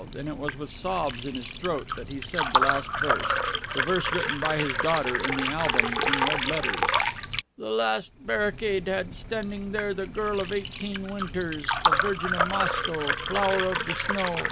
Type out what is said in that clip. And it was with sobs in his throat that he said the last verse, the verse written by his daughter in the album, in red letters: "The last barricade had standing there the girl of eighteen winters, the virgin of Moscow, flower of the snow.